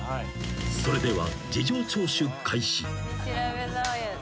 ［それでは］